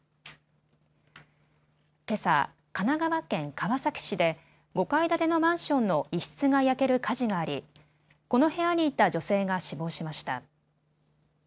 けさ神奈川県川崎市で５階建てのマンションの一室が焼ける火事がありこの部屋にいた女性が死亡しました。